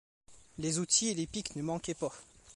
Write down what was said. Les outils et les pics ne manquaient pas.